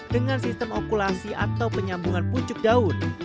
dengan sistem okulasi atau penyambungan pucuk daun